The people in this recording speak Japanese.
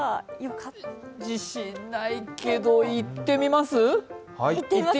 自信ないけどいってみます？